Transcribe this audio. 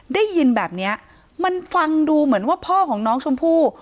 ได้ยินแบบนี้มันฟังดูเหมือนว่าพ่อของน้องชมพู่